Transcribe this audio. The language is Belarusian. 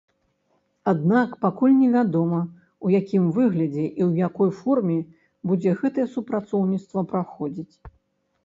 Аднак, пакуль невядома, у якім выглядзе і ў якой форме будзе гэтае супрацоўніцтва праходзіць.